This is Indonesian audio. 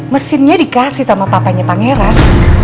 mesinnya dikasih sama papanya pangeran